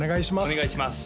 お願いします